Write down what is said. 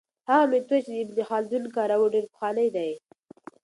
هغه میتود چې ابن خلدون کاروه ډېر پخوانی دی.